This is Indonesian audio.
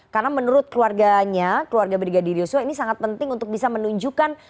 karena menurut keluarganya keluarga brigadir yosua ini sangat penting untuk bisa menunjukkan